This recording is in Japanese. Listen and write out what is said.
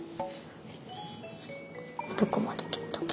どこまで切ったっけ？